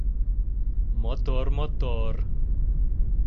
Мотор-мотор.